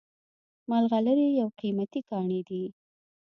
ملغلرې یو قیمتي کاڼی دی